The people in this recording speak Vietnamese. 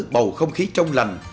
bầu không khí trong lành